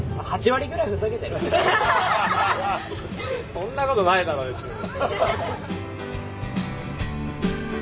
そんなことないだろ別に。